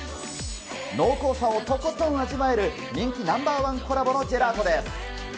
濃厚さをとことん味わえる、人気ナンバー１コラボのジェラートです。